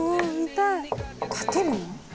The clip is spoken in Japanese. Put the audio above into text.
たてるの？